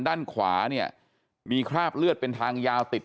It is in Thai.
ด้านขวาเนี่ยมีคราบเลือดเป็นทางยาวติด